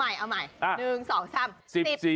เอาใหม่๑๒๓